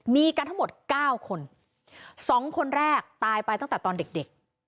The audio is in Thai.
มีกันทั้งหมด๙คน๒คนแรกตายไปตั้งแต่ตอนเด็ก